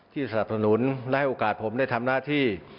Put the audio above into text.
สนับสนุนและให้โอกาสผมได้ทำหน้าที่